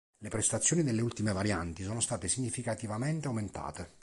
Le prestazioni delle ultime varianti sono state significativamente aumentate.